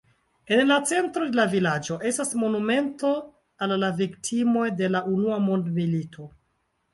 En centro de la vilaĝo estas monumento al la viktimoj de la unua mondmilito.